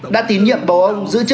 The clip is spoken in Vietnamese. đã tín nhiệm bầu ơn nguyễn xuân phúc